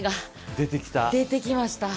出てきました